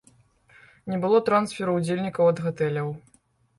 Не было трансферу ўдзельнікаў ад гатэляў.